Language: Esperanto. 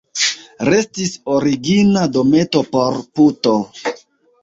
Restis origina dometo por puto.